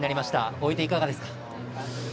終えて、いかがですか？